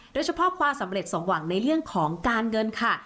โดยเฉพาะความสำเร็จสมหวังในเรื่องของการเงินค่ะ